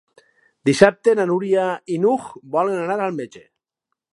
Dissabte na Núria i n'Hug volen anar al metge.